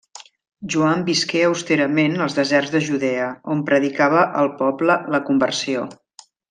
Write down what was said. Joan visqué austerament als deserts de Judea, on predicava al poble la conversió.